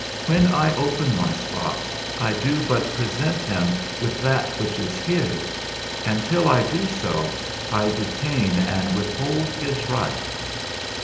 When I open my spots I do but present him with that which is his; and till I do so, I detain and withhold his right.